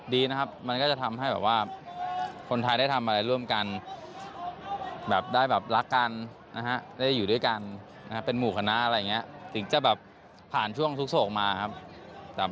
สนานอะไรอย่างนี้ถึงจะแบบผ่านช่วงทุกมาครับ